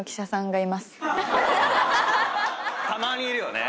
たまにいるよね。